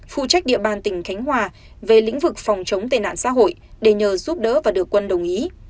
phụ trách địa bàn tỉnh khánh hòa về lĩnh vực phòng chống tệ nạn xã hội để nhờ giúp đỡ và được quân đồng ý